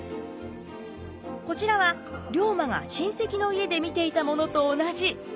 こちらは龍馬が親戚の家で見ていたものと同じ世界地図。